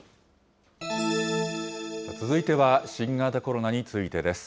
続いては新型コロナについてです。